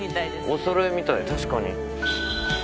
おそろいみたい確かに。